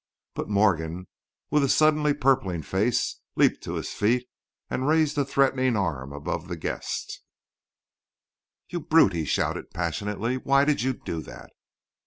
But Morgan, with a suddenly purpling face, leaped, to his feet and raised a threatening arm above the guest. "You—brute!" he shouted, passionately; "why did you do that?"